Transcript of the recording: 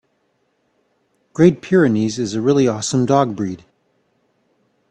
Great Pyrenees is a really awesome dog breed.